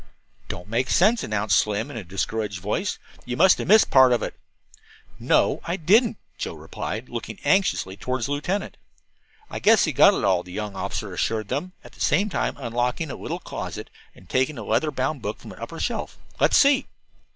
"Don't make sense," announced Slim in a discouraged voice. "You must have missed part of it." "No, I didn't," Joe replied, looking anxiously toward the lieutenant. "I guess he got it all," the young officer assured them, at the same time unlocking a little closet and taking a leather bound book from an upper shelf. "Let's see."